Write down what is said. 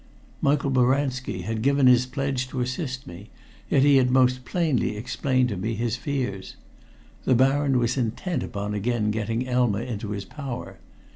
Michael Boranski had given his pledge to assist me, yet he had most plainly explained to me his fears. The Baron was intent upon again getting Elma into his power.